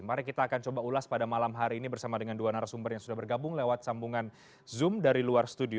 mari kita akan coba ulas pada malam hari ini bersama dengan dua narasumber yang sudah bergabung lewat sambungan zoom dari luar studio